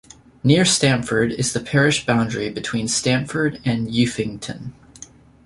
Near Stamford it is the parish boundary between Stamford and Uffington.